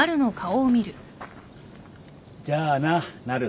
じゃあななる。